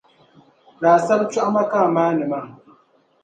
Laasabu chɔɣima ka a maani maa